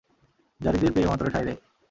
যারীদের প্রেম অন্তরে ঠাঁই দেয়।